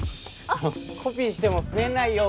あのコピーしても増えないよ